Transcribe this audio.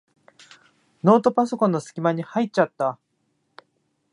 ノートパソコンのすき間に入っちゃった。